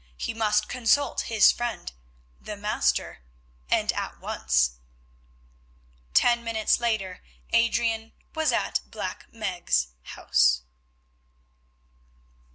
He must consult his friend, the Master, and at once. Ten minutes later Adrian was at Black Meg's house.